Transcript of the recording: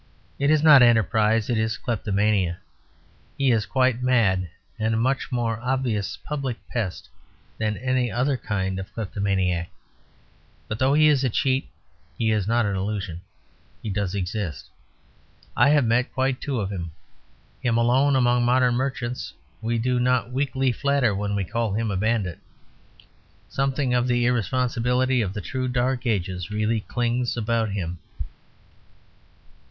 It is not "enterprise"; it is kleptomania. He is quite mad, and a much more obvious public pest than any other kind of kleptomaniac; but though he is a cheat, he is not an illusion. He does exist; I have met quite two of him. Him alone among modern merchants we do not weakly flatter when we call him a bandit. Something of the irresponsibility of the true dark ages really clings about him.